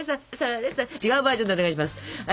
違うバージョンでお願いします。